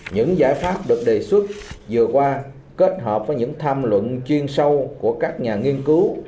những giải pháp được đề xuất vừa qua kết hợp với những tham luận chuyên sâu của các nhà nghiên cứu